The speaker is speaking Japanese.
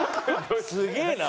すげえな。